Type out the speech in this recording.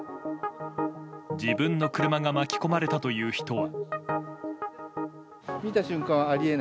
自分の車が巻き込まれたという人は。